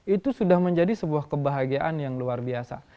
itu sudah menjadi sebuah kebahagiaan yang luar biasa